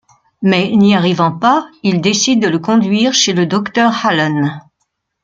Mais n’y arrivant pas, ils décident de le conduire chez le docteur Hallen.